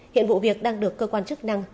hiện vụ việc đang được cơ quan chức năng tiếp tục